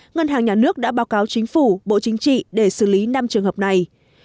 ngân hàng nhà nước đã báo cáo chính phủ bộ chính trị để xử lý năm trường hợp này